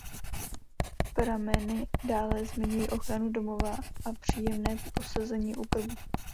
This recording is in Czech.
Prameny dále zmiňují ochranu domova a příjemné posezení u krbu.